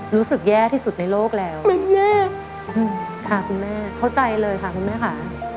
รู้สึกแย่ที่สุดในโลกแล้วค่ะคุณแม่เข้าใจเลยค่ะคุณแม่ค่ะ